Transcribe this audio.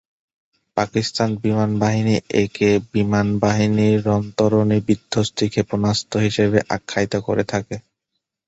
পাকিস্তান বিমান বাহিনী একে "বিমানবাহী রণতরী-বিধ্বংসী ক্ষেপণাস্ত্র" হিসেবে আখ্যায়িত করে থাকে।